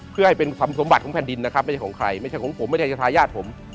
เพื่อให้เป็นสมบัติของแผ่นดินนะครับไม่ใช่ของใครไม่ใช่ของผมไม่ใช่จะทายาทผม